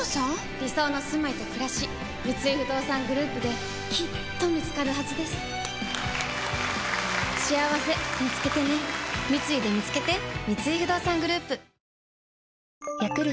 理想のすまいとくらし三井不動産グループできっと見つかるはずですしあわせみつけてね三井でみつけて男性）